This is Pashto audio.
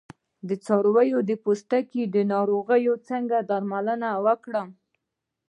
د څارویو د پوستکي ناروغۍ څنګه درمل کړم؟